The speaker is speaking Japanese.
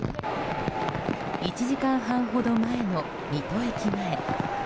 １時間半ほど前の水戸駅前。